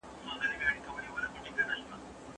ايا انلاين کورسونه د لېرې زده کوونکو لپاره مناسب دي؟